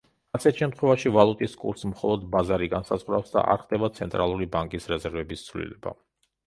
ასეთ შემთხვევაში ვალუტის კურსს მხოლოდ ბაზარი განსაზღვრავს და არ ხდება ცენტრალური ბანკის რეზერვების ცვლილება.